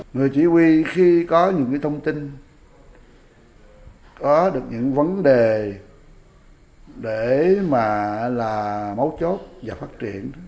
người chỉ huy khi có những thông tin có được những vấn đề để mà là mấu chốt và phát triển